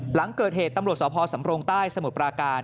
หลังเกิดเหตุตำรวจสพสำรงใต้สมุทรปราการ